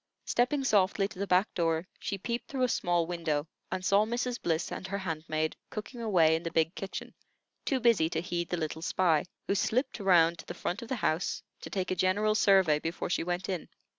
Stepping softly to the back door, she peeped through a small window, and saw Mrs. Bliss and her handmaid cooking away in the big kitchen, too busy to heed the little spy, who slipped around to the front of the house, to take a general survey before she went in.